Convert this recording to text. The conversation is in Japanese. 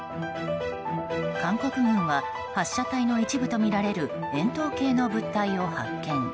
韓国軍は、発射体の一部とみられる円筒形の物体を発見。